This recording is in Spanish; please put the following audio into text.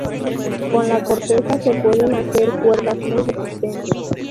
Con la corteza se pueden hacer cuerdas muy resistentes.